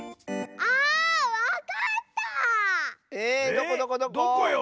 どこどこどこ⁉えどこよ？